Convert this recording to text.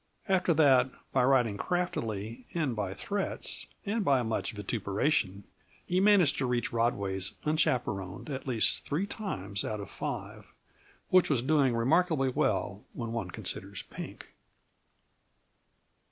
After that, by riding craftily, and by threats, and by much vituperation, he managed to reach Rodway's unchapperoned at least three times out of five which was doing remarkably well, when one considers Pink.